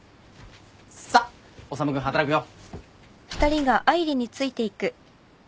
さっ修君働くよ。